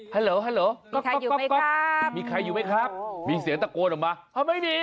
ฮัลโหลมีใครอยู่ไหมครับมีเสียงตะโกนออกมาไม่มี